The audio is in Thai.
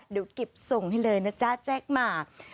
เดี๋ยวกิบส่งให้เลยนะจ๊ะแจกมา